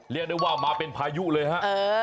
เรียกได้ว่ามาเป็นพายุเลยฮะ